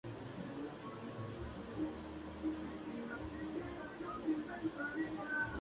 Era un estanciero y comerciante influyente del pueblo de Ensenadas, cerca de la capital.